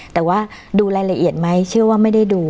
แต่ว่าดูรายละเอียดไหมเชื่อว่าไม่ได้ดู